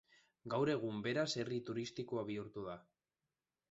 Gaur egun beraz herri turistikoa bihurtu da.